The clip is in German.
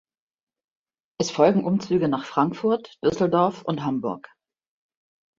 Es folgen Umzüge nach Frankfurt, Düsseldorf und Hamburg.